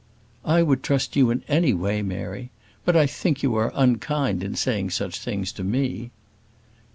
"I would trust you in any way, Mary. But I think you are unkind in saying such things to me."